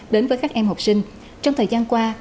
đến với các em học sinh trong thời gian qua